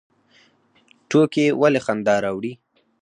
ټوکې ولې خندا راوړي؟